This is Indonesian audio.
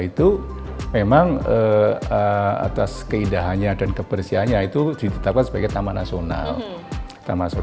itu memang atas keindahannya dan kebersihannya itu ditetapkan sebagai taman nasional termasuk